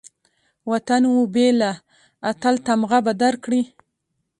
وطن وبېله، اتل تمغه به درکړي